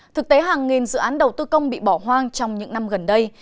thực tế hàng nghìn dự án đầu tư công bị bỏ hoang trong những năm gần đây